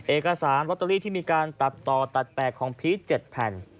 เอกสารลอตเตอรี่ที่มีการตัดต่อตัดแปลกของพีช๗แผ่น